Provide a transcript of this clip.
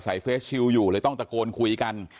เฟสชิลอยู่เลยต้องตะโกนคุยกัน